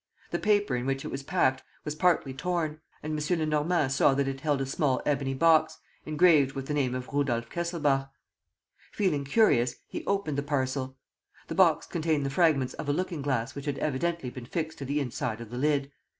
The paper in which it was packed was partly torn; and M. Lenormand saw that it held a small ebony box, engraved with the name of Rudolf Kesselbach. Feeling curious, he opened the parcel. The box contained the fragments of a looking glass which had evidently been fixed to the inside of the lid.